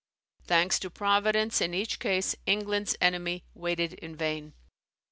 Thanks to Providence, in each case England's enemy waited in vain!